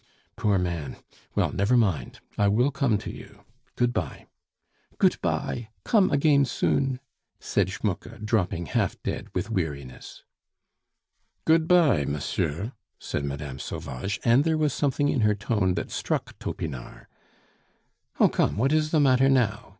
"Poor man! Well, never mind, I will come to you. Good bye." "Goot bye; komm again soon," said Schmucke, dropping half dead with weariness. "Good bye, mosieu," said Mme. Sauvage, and there was something in her tone that struck Topinard. "Oh, come, what is the matter now?"